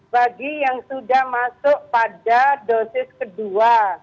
bagi yang sudah masuk pada dosis kedua